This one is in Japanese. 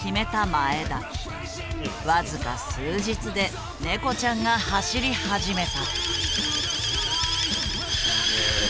僅か数日でネコちゃんが走り始めた。